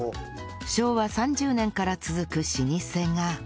昭和３０年から続く老舗が